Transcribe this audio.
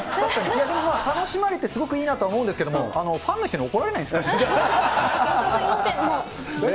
でもまあ、楽しまれててすごくいいなとは思うんですけど、ファンの人に怒られないんですか？